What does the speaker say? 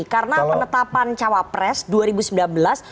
karena penetapan cawapres dua ribu sembilan belas